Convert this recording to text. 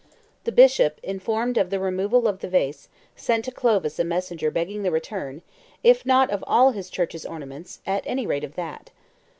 The bishop, informed of the removal of the vase, sent to Clovis a messenger begging the return, if not of all his church's ornaments, at any rate of that.